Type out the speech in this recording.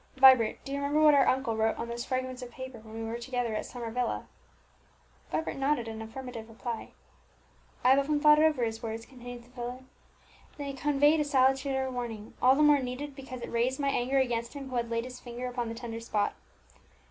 "Vibert, do you remember what our uncle wrote on those fragments of paper when we were together at Summer Villa?" Vibert nodded an affirmative reply. "I have often thought over his words," continued the invalid; "they conveyed a salutary warning, all the more needed because it raised my anger against him who had laid his finger upon the tender spot.